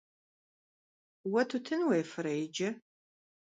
Vue tutın vuêfere yicı?